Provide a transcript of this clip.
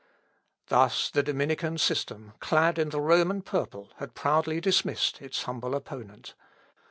Thus the Dominican system, clad in the Roman purple, had proudly dismissed its humble opponent.